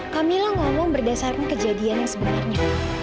kamilah ngomong berdasarkan kejadian yang sebenarnya